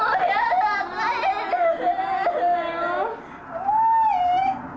怖い！